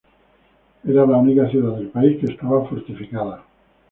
Era la única ciudad del país que estaba fortificada.